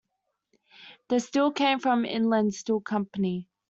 The steel came from the Inland Steel Company.